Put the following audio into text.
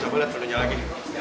coba liat udah nyala lagi